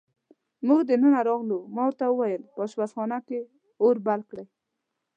موږ دننه راغلو، ما ورته وویل: په اشپزخانه کې اور بل کړئ.